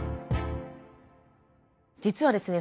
実はですね